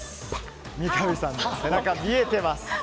三上さんの背中、見えてます。